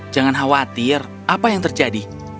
jangan khawatir apa yang terjadi